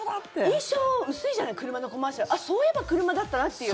印象、薄いじゃない車のコマーシャルあっ、そういえば車だったなっていう。